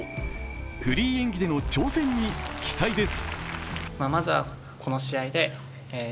フリー演技での挑戦に期待です。